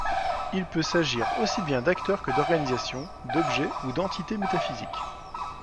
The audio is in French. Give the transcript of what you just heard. Il peut s'agir aussi bien d'acteurs que d'organisations, d'objets ou d'entités métaphysiques.